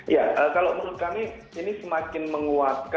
ya kalau menurut kami ini semakin menguat